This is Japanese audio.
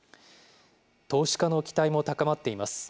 投資家の期待も高まっています。